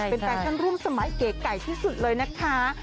เป็นแก่ชั้นรุ่นสมัยเก่ยที่สุดเลยนะคะ